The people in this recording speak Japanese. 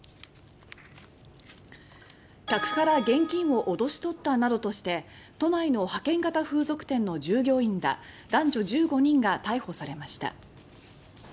客から現金を脅し取ったなどとして派遣型風俗店の従業員ら男女１５人が逮捕されました。